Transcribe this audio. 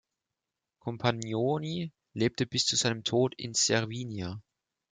Compagnoni lebte bis zu seinem Tod in Cervinia.